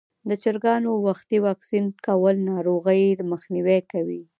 د چرګانو وختي واکسین کول ناروغۍ مخنیوی کوي.